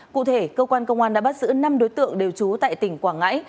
cụ thể cơ quan công an đã bắt giữ năm đối tượng đều trú tại tỉnh quảng ngãi